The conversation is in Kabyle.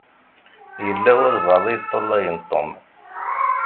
Yella walebɛaḍ i yeṭṭalayen Tom.